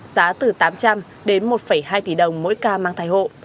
giá từ tám trăm linh đến một hai tỷ đồng mỗi ca mang thai hộ